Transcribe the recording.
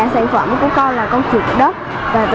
sản phẩm của con là con chuột đất